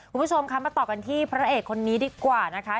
คุณผู้ชมคะมาต่อกันที่พระเอกคนนี้ดีกว่านะคะ